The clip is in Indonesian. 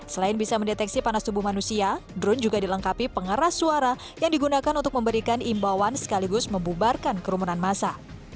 selain bisa mendeteksi panas tubuh manusia drone juga dilengkapi pengeras suara yang digunakan untuk memberikan imbauan sekaligus membubarkan kerumunan masa